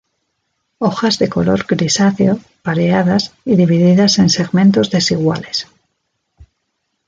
Hojas de color grisáceo, pareadas y divididas en segmentos desiguales.